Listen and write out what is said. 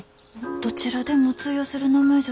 どちらでも通用する名前じゃそうです。